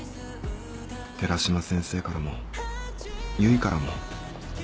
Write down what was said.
寺島先生からも唯からも。